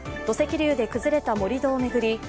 土石流で崩れた盛り土を巡り